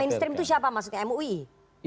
mainstream itu siapa maksudnya mui